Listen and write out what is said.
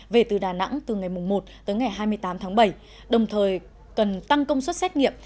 về từ đà nẵng từ ngày một tới ngày hai mươi tám tháng bảy đồng thời cần tăng công suất xét nghiệm